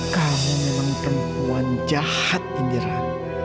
kamu memang perempuan jahat penyerang